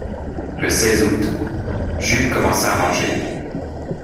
Le seize août, Jup commença à manger